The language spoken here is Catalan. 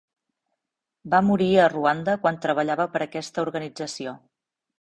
Va morir a Ruanda quan treballava per a aquesta organització.